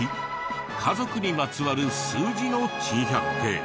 家族にまつわる数字の珍百景。